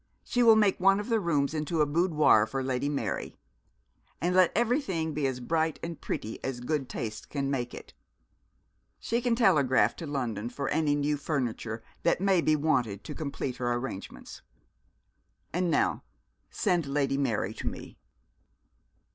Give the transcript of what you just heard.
She will make one of the rooms into a boudoir for Lady Mary; and let everything be as bright and pretty as good taste can make it. She can telegraph to London for any new furniture that may be wanted to complete her arrangements. And now send Lady Mary to me.'